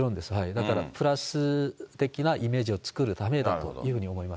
だからプラス的なイメージを作るためだというふうに思います。